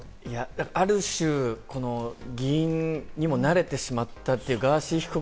ある種、議員にもなれてしまったというガーシー被告。